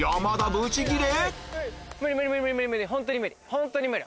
ホントに無理！